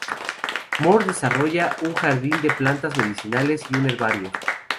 Moore desarrolla un jardín de plantas medicinales y un herbario.